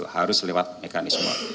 harus lewat mekanisme